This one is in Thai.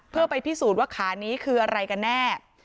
เพื่อไปพิสูจน์ว่าขานี้คืออะไรกันแน่